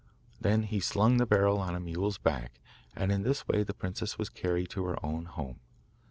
Then he slung the barrel on a mule's back, and in this way the princess was carried to her own home.